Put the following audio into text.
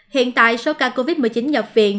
hiện tại số ca covid một mươi chín nhập viện